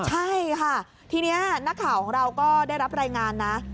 ใช่ค่ะทีนี้นักข่าวของเราก็ได้รับรายงานนะ